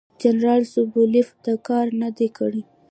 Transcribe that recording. جنرال سوبولیف دا کار نه دی کړی.